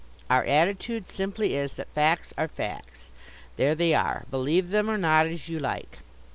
Our attitude simply is that facts are facts. There they are; believe them or not as you like.